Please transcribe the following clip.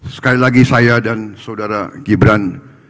sekali lagi saya dan saudara gibran